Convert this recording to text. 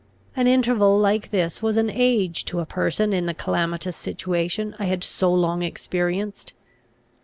An interval like this was an age to a person in the calamitous situation I had so long experienced.